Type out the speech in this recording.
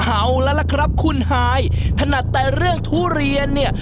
เอาแล้วล่ะครับคุณฮายถนัดแต่เรื่องทุเรียนเนี่ย